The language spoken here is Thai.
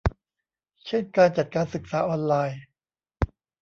เช่นการจัดการศึกษาออนไลน์